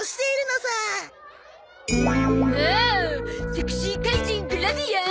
セクシー怪人グラビアン！